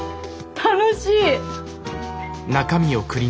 楽しい！